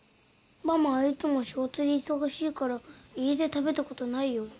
ママはいつも仕事で忙しいから家で食べたことないよ。